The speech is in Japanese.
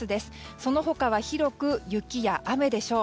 その他は広く雪や雨でしょう。